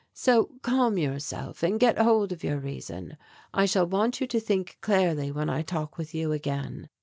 So calm yourself and get hold of your reason. I shall want you to think clearly when I talk with you again.